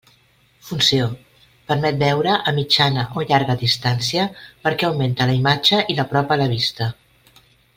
Funció: permet veure a mitjana o llarga distància perquè augmenta la imatge i l'apropa a la vista.